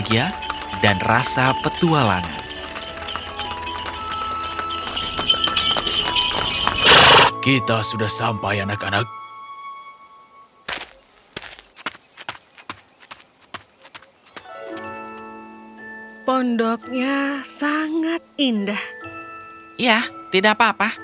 ya tidak apa apa